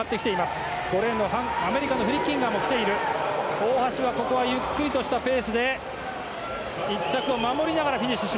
大橋ゆっくりとしたペースで１着を守りながらフィニッシュ。